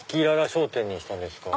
裸裸商店にしたんですか？